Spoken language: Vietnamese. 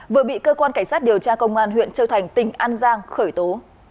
vừa bị cơ quan cảnh sát điều tra công an huyện châu thành tỉnh an giang khởi tố